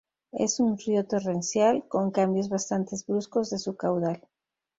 Es un río torrencial, con cambios bastantes bruscos de su caudal.